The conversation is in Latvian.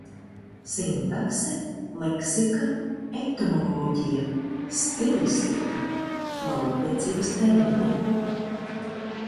Sintakse, leksika, etimoloģija, stilistika - valodniecības termini.